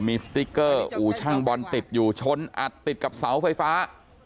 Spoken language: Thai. มีสติ๊กเกอร์อู่ช่างบอลติดอยู่ชนอัดติดกับเสาไฟฟ้า